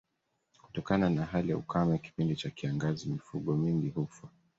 Kutokana na hali ya ukame kipindi cha kiangazi mifugo mingi hufa